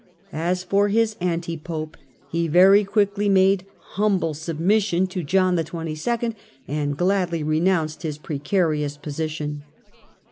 As for his Anti pope, he very quickly made humble submission to John XXII. and gladly renounced his precarious position.